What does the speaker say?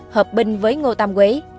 hợp binh với ngô tâm quế